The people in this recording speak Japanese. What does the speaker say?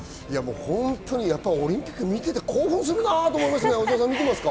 ほんとにオリンピック見ていて興奮するなって思いますね。